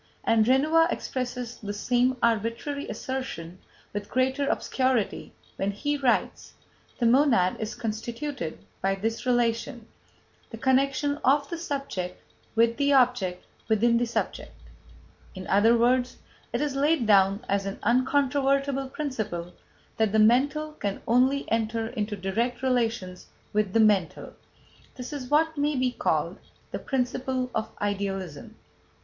And Renouvier expresses the same arbitrary assertion with greater obscurity when he writes: "The monad is constituted by this relation: the connection of the subject with the object within the subject." In other words, it is laid down as an uncontrovertible principle that "the mental can only enter into direct relations with the mental." That is what may be called "the principle of Idealism."